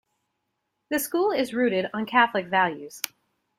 The school is rooted on Catholic values.